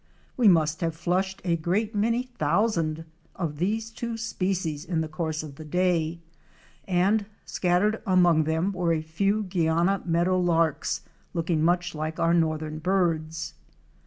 We must have flushed a great many thousand of these two species in the course of the day, and scattered among them were a few Guiana Meadow larks *' looking much like our northern birds.